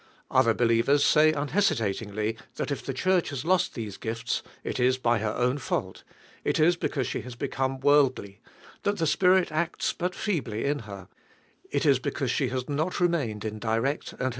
Other believers' saj unhesitatingly that if the Church has lost these gifts, it is by 'her own fault; it is because she has become worldly, that the Spirit acts but feebly in her; it is beoanae she has not remained in direct and ha Drvnra healing.